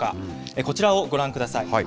こちらをご覧ください。